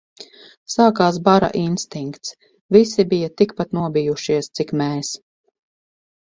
Sākās bara instinkts. Visi bija tik pat nobijušies, cik mēs.